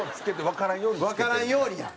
わからんようにや。